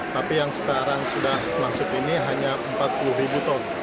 tapi yang sekarang sudah masuk ini hanya empat puluh ribu ton